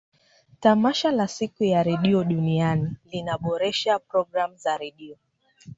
tamasha la siku ya redio duniani linaboresha pragramu za redio